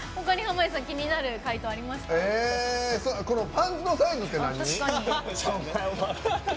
パンツのサイズって何？